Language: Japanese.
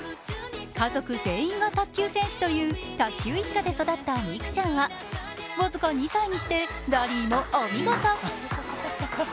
家族全員が卓球選手という卓球一家で育った美空ちゃんは僅か２歳にしてラリーもお見事。